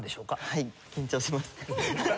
はい緊張しますね。